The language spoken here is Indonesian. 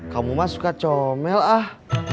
kamu mah suka comel ah